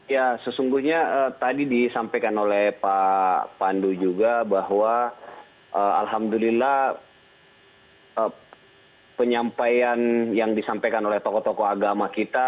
ya sesungguhnya tadi disampaikan oleh pak pandu juga bahwa alhamdulillah penyampaian yang disampaikan oleh tokoh tokoh agama kita